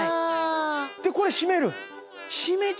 でこれ閉める？